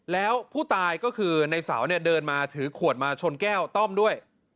แล้วผู้ตายก็คือในเสาเนี่ยเดินมาถือขวดมาชนแก้วต้อมด้วย